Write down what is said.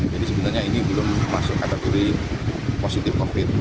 jadi sebenarnya ini belum masuk kategori positif covid sembilan belas